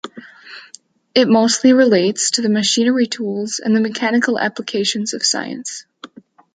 It mostly relates to the machinery tools and the mechanical applications of science.